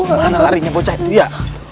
gimana larinya bocah itu ya